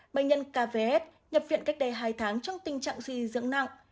bệnh nhân kvs nhập viện cách đây hai tháng trong tình trạng suy dưỡng nặng